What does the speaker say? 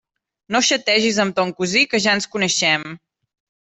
No xategis amb ton cosí, que ja ens coneixem!